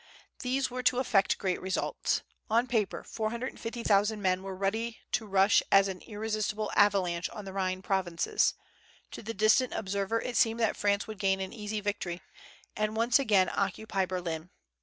These were to effect great results. On paper, four hundred and fifty thousand men were ready to rush as an irresistible avalanche on the Rhine provinces. To the distant observer it seemed that France would gain an easy victory, and once again occupy Berlin.